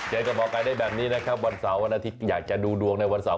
เจอกับหมอไก่ได้แบบนี้นะครับวันเสาร์วันอาทิตย์อยากจะดูดวงในวันเสาร์